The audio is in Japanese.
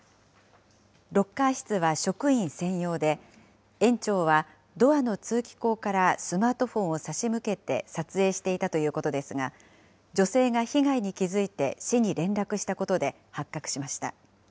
ロッカー室は職員専用で、園長はドアの通気口からスマートフォンを差し向けて撮影していたということですが、女性が被害に気付いて市に連絡したことで発覚しました。